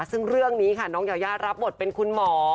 ซึ่งเรื่องนี้ค่ะน้องยายารับบทเป็นคุณหมอ